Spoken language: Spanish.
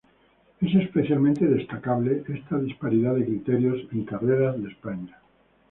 Es especialmente destacable esa disparidad de criterios en carreras de España.